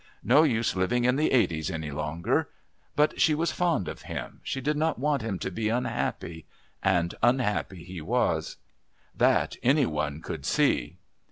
No use living in the 'Eighties any longer. But she was fond of him, she did not want him to be unhappy and unhappy he was, that any one could see.